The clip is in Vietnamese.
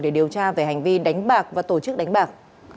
để điều tra về hành vi đánh bạc và tổ chức đánh bạc